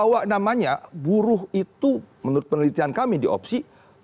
bahwa namanya buruh itu menurut penelitian kami di opsi